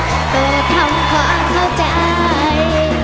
โตทำความเข้าใจ